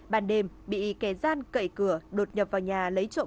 bàn đêm bị kẻ gian cậy cửa đột nhập vào nhà lấy trường